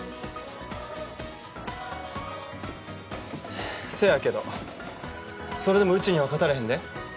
はぁせやけどそれでもうちには勝たれへんで。